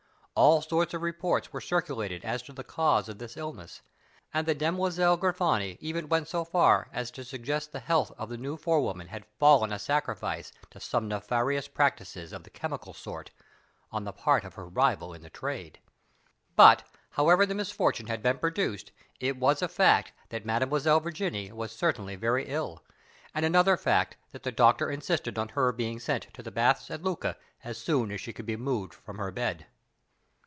All sorts of reports were circulated as to the cause of this illness; and the Demoiselle Grifoni even went so far as to suggest that the health of the new forewoman had fallen a sacrifice to some nefarious practices of the chemical sort, on the part of her rival in the trade. But, however the misfortune had been produced, it was a fact that Mademoiselle Virginie was certainly very ill, and another fact that the doctor insisted on her being sent to the baths of Lucca as soon as she could be moved from her bed.